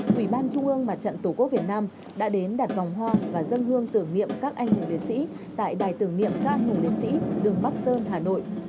quỹ ban trung ương mặt trận tổ quốc việt nam đã đến đặt vòng hoa và dân hương tưởng niệm các anh hùng liệt sĩ tại đài tưởng niệm các anh hùng liệt sĩ đường bắc sơn hà nội